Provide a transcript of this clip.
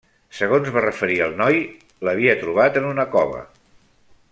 Segons va referir el noi, l'havia trobat en una cova.